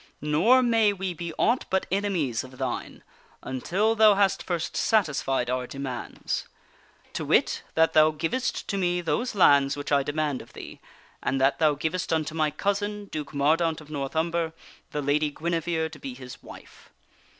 Nor may we be aught but enemies of thine until thou hast first satisfied our demands ; to wit, that thou givest to me those lands which I demand of thee and that thou givest unto my cousin, Duke Mordaunt of The King and North Umber, the Lady Guinevere to be his wife.